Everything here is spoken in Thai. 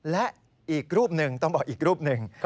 และอีกรูปหนึ่งต้องบอกอีกรูปหนึ่ง